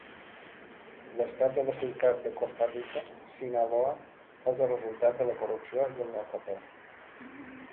L'estat de la ciutat de Costa Rica (Sinaloa) és el resultat de la corrupció i el narcotràfic.